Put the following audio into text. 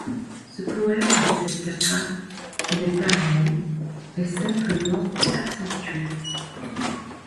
Ce poème de sept quatrains, qui n'est pas rimé, est simplement accentué.